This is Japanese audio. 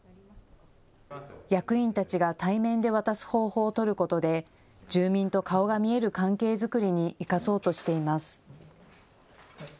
役員たちが対面で渡す方法を取ることで住民と顔が見える関係作りに生かそうとしています。